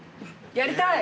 やりたい。